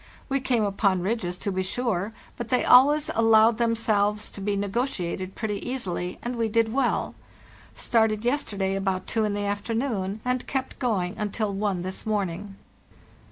We came upon ridges, to be sure, but they always al lowed themselves to be negotiated pretty easily, and we did well. Started yesterday about two in the afternoon, and kept going until one this morning.